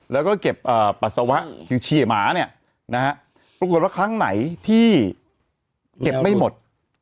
แล้วก็เก็บปัสสาวะถึงเฉียหมาเนี่ยนะฮะปรากฏว่าครั้งไหนที่เก็บไม่หมด